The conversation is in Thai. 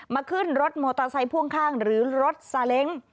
ขึ้นรถมอเตอร์ไซค์พ่วงข้างหรือรถซาเล้ง